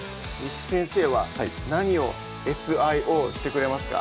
簾先生は何をＳ・Ｉ・Ｏしてくれますか？